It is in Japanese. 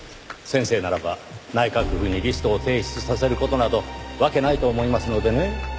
先生ならば内閣府にリストを提出させる事などわけないと思いますのでね。